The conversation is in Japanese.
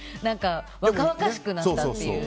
若々しくなったっていう。